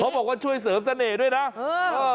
บอกว่าช่วยเสริมเสน่ห์ด้วยนะเออ